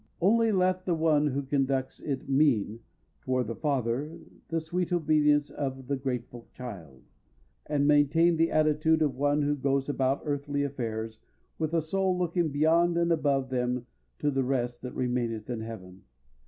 Only let the one who conducts it mean toward the Father the sweet obedience of the grateful child, and maintain the attitude of one who goes about earthly affairs with a soul looking beyond and above them to the rest that remaineth in heaven.